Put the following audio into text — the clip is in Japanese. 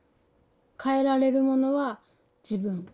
変えられるものは自分。